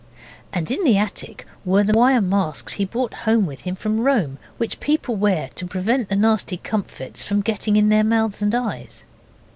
And in the attic were the wire masks he brought home with him from Rome, which people wear to prevent the nasty comfits getting in their mouths and eyes.